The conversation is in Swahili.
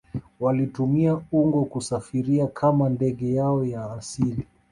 Walitumia ungo kusafiria kama ndege yao ya asili